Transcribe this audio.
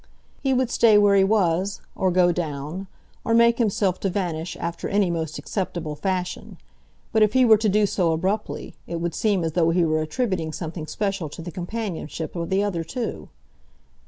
He would stay where he was, or go down, or make himself to vanish after any most acceptable fashion; but if he were to do so abruptly it would seem as though he were attributing something special to the companionship of the other two.